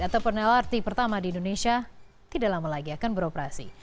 ataupun lrt pertama di indonesia tidak lama lagi akan beroperasi